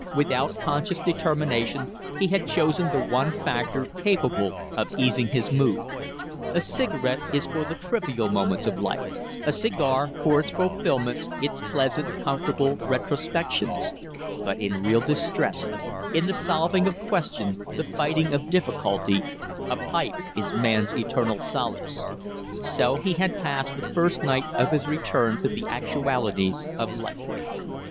Without conscious determination, he had chosen the one factor capable of easing his mood. A cigarette is for the trivial moments of life; a cigar for its fulfilments, its pleasant, comfortable retrospections; but in real distress in the solving of question, the fighting of difficulty a pipe is man's eternal solace, So he had passed the first night of his return to the actualities of life.